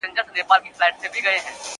وازه خوله د مرګ راتللو ته تیار سو!!